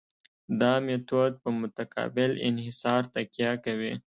دا میتود په متقابل انحصار تکیه کوي